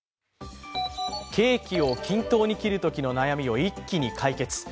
ケーキを均等に切るときの悩みを一気に解決。